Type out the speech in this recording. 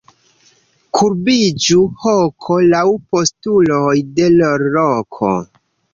Kurbiĝu hoko laŭ postuloj de l' loko.